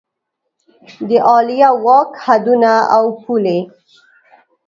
د عالیه واک حدونه او پولې